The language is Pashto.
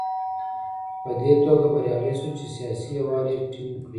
په دې توګه بریالی شو چې سیاسي یووالی ټینګ کړي.